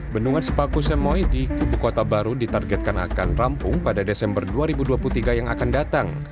bendungan sepaku semoy di kubu kota baru ditargetkan akan rampung pada desember dua ribu dua puluh tiga yang akan datang